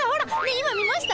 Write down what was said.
今見ました？